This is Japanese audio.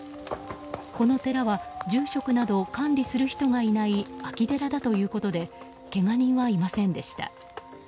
この寺は住職など管理する人がいない空き寺だということでけが人はいませんでした。